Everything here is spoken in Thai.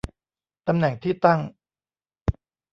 ตำแหน่งที่ตั้ง